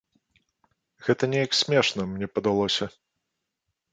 Гэта неяк смешна, мне падалося.